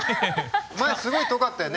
前すごい遠かったよね？